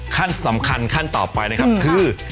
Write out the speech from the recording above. ขั้นสำคัญขั้นต่อไปนะครับคือ